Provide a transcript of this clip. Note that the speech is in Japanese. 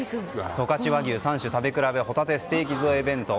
十勝和牛３種食べ比べホタテステーキ弁当。